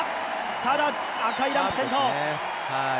ただ赤いランプ点灯。